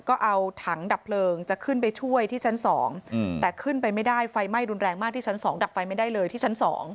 ก็เอาถังดับเพลิงจะขึ้นไปช่วยที่ชั้น๒แต่ขึ้นไปไม่ได้ไฟไหม้รุนแรงมากที่ชั้น๒ดับไฟไม่ได้เลยที่ชั้น๒